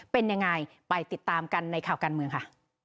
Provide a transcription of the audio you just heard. เป็นยังไงไปติดตามกันในข่าวการเมืองค่ะ